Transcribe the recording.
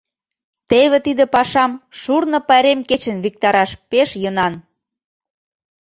Теве тиде пашам шурно пайрем кечын виктараш пеш йӧнан.